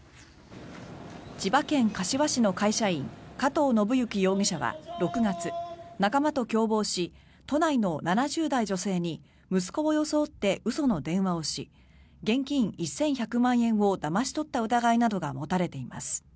千葉県柏市の会社員加藤信行容疑者は６月仲間と共謀し都内の７０代女性に息子を装って嘘の電話をし現金１１００万円をだまし取った疑いなどが持たれています。